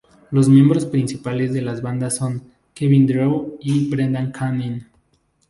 Los miembros principales de la banda son Kevin Drew y Brendan Canning.